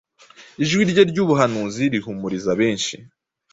ijwi rye ry'ubuhanuzi rihumuriza benshi